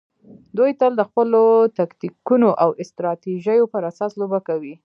دوی تل د خپلو تکتیکونو او استراتیژیو پر اساس لوبه کوي.